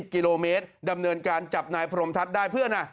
กิโลเมตรดำเนินการจับนายพรมทัศน์ได้เพื่อน